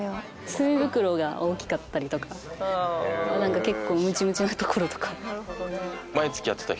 墨袋が大きかったりとかなんか結構ムチムチなところとか。